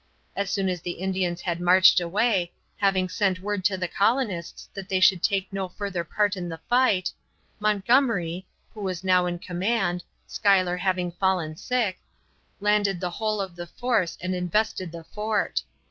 As soon as the Indians had marched away, having sent word to the colonists that they should take no further part in the fight, Montgomery who was now in command, Schuyler having fallen sick landed the whole of the force and invested the fort.